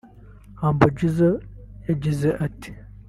Humble Jizzo yagize ati